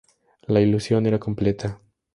La ilusión era completa.